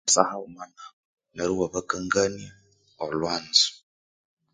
Saahaghuma nabo neryo iwabakangania olhwanzo